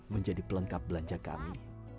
menjadi pelengkap belanja kami